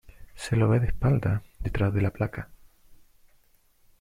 Se lo ve de espalda, detrás de la placa.